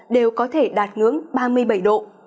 đều có thể đạt ngưỡng ba mươi bảy độ